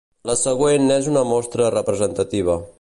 La següent n'és una mostra representativa.